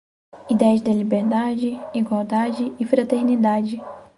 Ideais de liberdade, igualdade e fraternidade